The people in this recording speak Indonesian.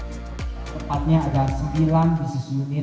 tepatnya ada sembilan bisnis unit